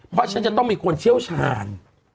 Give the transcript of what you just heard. เพราะฉันจะต้องมีคนเชี่ยวชาญ